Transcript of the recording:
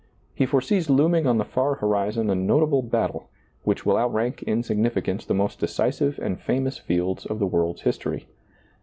He foresees looming on the far horizon a notable battle, which will out rank in significance the most decisive and famous fields of the world's history.